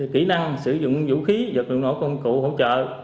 kỹ năng sử dụng vũ khí vật liệu nổ công cụ hỗ trợ